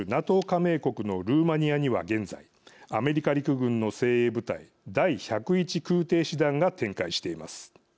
加盟国のルーマニアには現在、アメリカ陸軍の精鋭部隊第１０１空てい師団が展開しています。